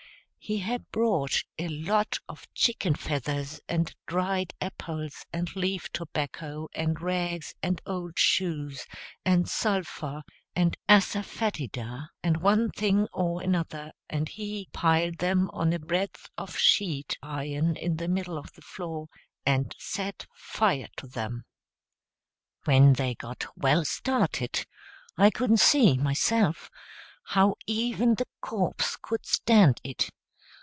He had brought a lot of chicken feathers, and dried apples, and leaf tobacco, and rags, and old shoes, and sulphur, and asafoetida, and one thing or another; and he, piled them on a breadth of sheet iron in the middle of the floor, and set fire to them. When they got well started, I couldn't see, myself, how even the corpse could stand it.